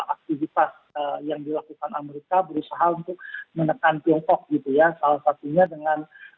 aktivitas yang dilakukan amerika berusaha untuk menekan tiongkok gitu ya salah satunya dengan